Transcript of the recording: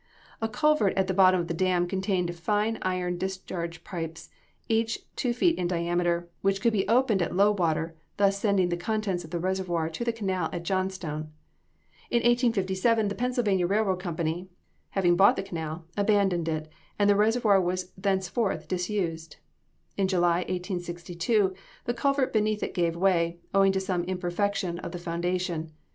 A culvert at the bottom of the dam contained fine iron discharge pipes, each two feet in diameter, which could be opened at low water thus sending the contents of the reservoir to the canal at Johnstown. In 1857, the Pennsylvania Railroad Company, having bought the canal, abandoned it, and the reservoir was thenceforth disused. In July, 1862, the culvert beneath it gave way, owing to some imperfection of the foundation.